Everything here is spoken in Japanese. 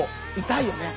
痛いよね。